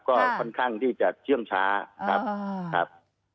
ก็ค่อนข้างที่จะเชื่อมช้าครับ